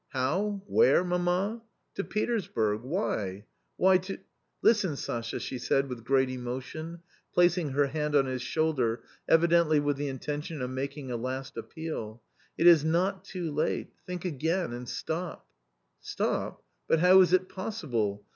"How, where, mamma? To Petersburg — why? — why to w " Listen, Sasha," she said with great emotion, placing her hand on his shoulder, evidently with the intention of making a last appeal ;" it is not too late ; think again, and stop." "Stop! but how is it possible?